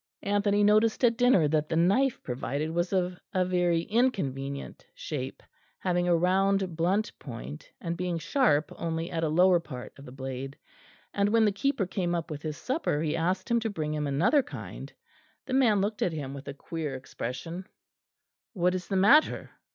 Anthony noticed at dinner that the knife provided was of a very inconvenient shape, having a round blunt point, and being sharp only at a lower part of the blade; and when the keeper came up with his supper he asked him to bring him another kind. The man looked at him with a queer expression. "What is the matter?"